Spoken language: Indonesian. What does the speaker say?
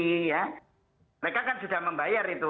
mereka kan sudah membayar itu